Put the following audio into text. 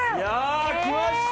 きました！